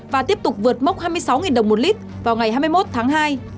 và tiếp tục vượt mốc hai mươi sáu đồng một lít vào ngày hai mươi một tháng hai